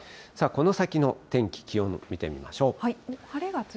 この先の天気、気温を見てみましょう。